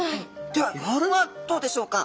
では夜はどうでしょうか？